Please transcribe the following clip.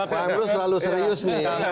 pak emrus selalu serius nih